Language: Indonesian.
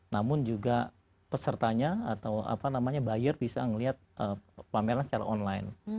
namun juga pesertanya atau apa namanya buyer bisa melihat pameran secara online